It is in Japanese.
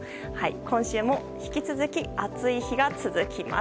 今週も引き続き暑い日が続きます。